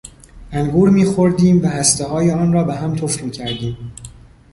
انگور میخوردیم و هستههای آن را به هم تف میکردیم.